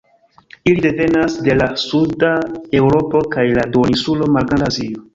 Ili devenas de la suda Eŭropo kaj la duoninsulo Malgranda Azio.